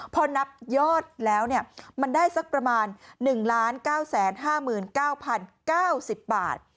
พอนับยอดแล้วมันได้สักประมาณ๑๙๕๙๐๙๙๐บาท